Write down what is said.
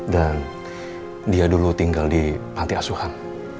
dan dia dulu tinggal di panti asuhan